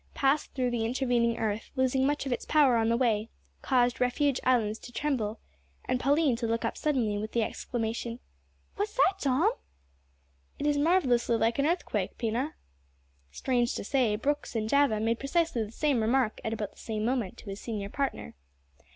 passed through the intervening earth, losing much of its power on the way, caused Refuge Islands to tremble, and Pauline to look up suddenly with the exclamation "What's that Dom?" "It is marvellously like an earthquake, Pina." Strange to say, Brooks in Java made precisely the same remark, at about the same moment, to his senior partner.